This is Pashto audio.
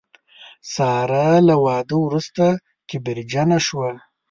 ساره له واده وروسته کبرجنه شوه.